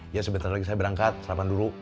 ya sebentar lagi saya berangkat sarapan dulu